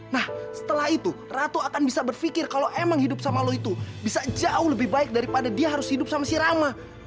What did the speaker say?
nah setelah itu ratu akan bisa berpikir kalau emang hidup sama lo itu bisa jauh lebih baik daripada dia harus hidup sama sirama